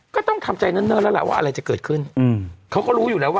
ก็ต้องทำใจเนิ่นแล้วล่ะว่าอะไรจะเกิดขึ้นอืมเขาก็รู้อยู่แล้วว่า